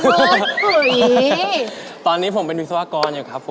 คืออ๋อนครับผมเป็นวิศวกรครับครับผม